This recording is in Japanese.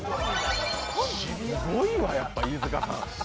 すごいわ、やっぱ飯塚さん。